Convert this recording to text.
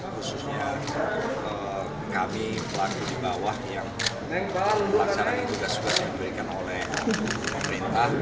khususnya kami pelaku di bawah yang melaksanakan tugas tugas yang diberikan oleh pemerintah